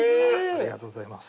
ありがとうございます。